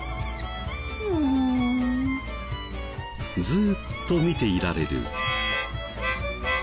ずーっと見ていられる。